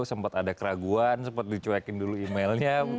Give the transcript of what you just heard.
sempat ada keraguan sempat dicuekin dulu emailnya